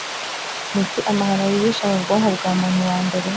niki amahano yihishe mu bwonko bwa muntu wa mbere